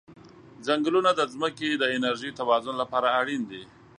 ځنګلونه د ځمکې د انرژی توازن لپاره اړین دي.